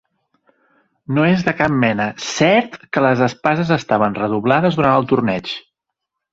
No és de cap manera cert que les espases estaven reblades durant el torneig.